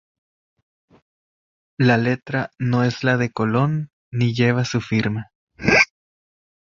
La letra no es la de Colón ni lleva su firma.